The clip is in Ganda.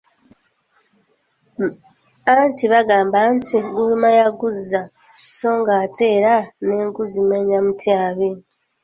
Anti bagamba nti, "Guluma yaguza…."so ng'ate era "n'enku zimenya mutyabi".